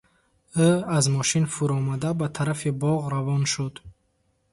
Ӯ аз мошин фуромада, ба тарафи боғ равон шуд.